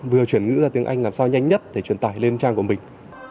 vừa chuyển ngữ ra tiếng anh làm sao nhanh nhất để truyền tải lên trang của mình